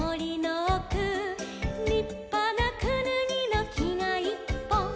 「りっぱなくぬぎのきがいっぽん」